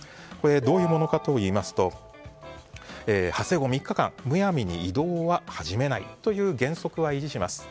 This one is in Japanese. どういうものかといいますと発生後３日間むやみに移動を始めないという原則は維持します。